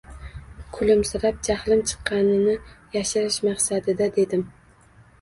Kulimsirab jahlim chiqganini yashirish maqsadida dedim.